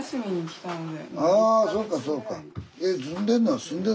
あそうかそうか。